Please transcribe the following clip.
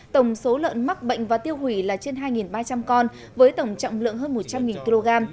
tổng số lợn mắc bệnh và tiêu hủy là trên hai ba trăm linh con với tổng trọng lượng hơn một trăm linh kg